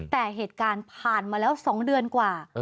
แต่เหตุการณ์ผ่านมาแล้ว๒เดือนกว่า